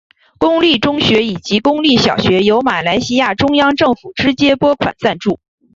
公立中学以及公立小学由马来西亚中央政府直接拨款赞助。